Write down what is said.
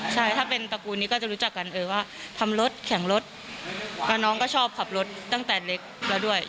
ใช่ถ้าเป็นตระกูลนี้ก็จะรู้จักกันเออว่าทำรถแข่งรถแล้วน้องก็ชอบขับรถตั้งแต่เล็กแล้วด้วย